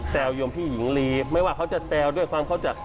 ยมพี่หญิงลีไม่ว่าเขาจะแซวด้วยความเขาจะ